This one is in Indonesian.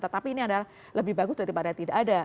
tetapi ini adalah lebih bagus daripada tidak ada